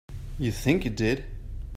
You think you did.